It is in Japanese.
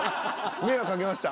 迷惑かけました。